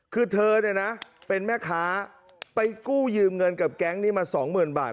คือเธอเนี่ยนะเป็นแม่ค้าไปกู้ยืมเงินกับแก๊งนี้มาสองหมื่นบาท